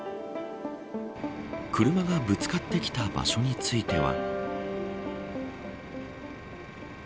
車がぶつかってきた場所については。